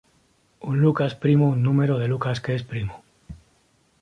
Un Lucas primo un número de Lucas que es primo.